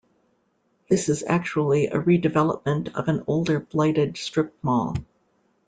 This is actually a re-development of an older blighted strip-mall.